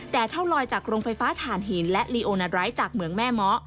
แต่เท่าลอยจากโรงไฟฟ้าฐานหินและลีโอนาไรทจากเมืองแม่เมาะ